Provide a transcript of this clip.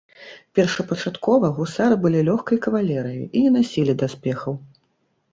Першапачаткова гусары былі лёгкай кавалерыяй і не насілі даспехаў.